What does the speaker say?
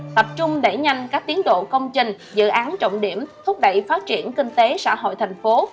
tập trung đẩy nhanh các tiến độ công trình dự án trọng điểm thúc đẩy phát triển kinh tế xã hội thành phố